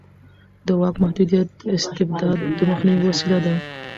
د واک محدودیت د استبداد د مخنیوي وسیله ده